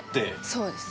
そうです。